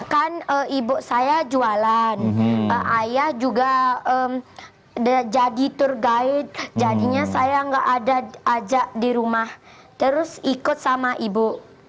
kan ibu saya jualan ayah juga jadi tour guide jadinya saya nggak ada ajak di rumah terus ikut sama ibu